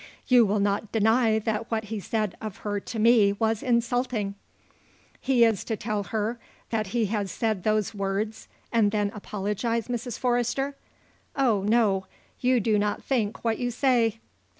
"You will not deny that what he said of her to me was insulting." "He is to tell her that he has said those words and then apologise, Mrs. Forrester? Oh, no; you do not think what you say."